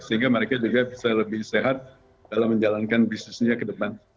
sehingga mereka juga bisa lebih sehat dalam menjalankan bisnisnya ke depan